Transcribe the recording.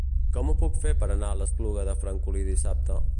Com ho puc fer per anar a l'Espluga de Francolí dissabte?